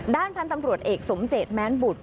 ด้านพันธุ์ตำรวจเอกสมเจตแม้นบุตร